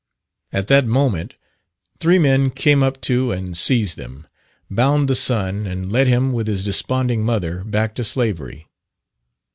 At that moment three men made up to and seized them, bound the son and led him, with his desponding mother, back to slavery.